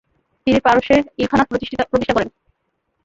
তিনি পারস্যের ইলখানাত প্রতিষ্ঠা করেন।